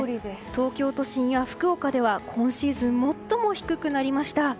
東京都心や福岡では今シーズン最も低くなりました。